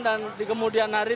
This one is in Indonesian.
dan di kemudian hari